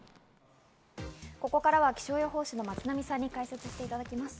ここからは気象予報士・松並さんに解説していただきます。